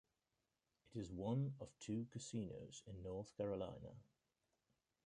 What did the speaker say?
It is one of two casinos in North Carolina.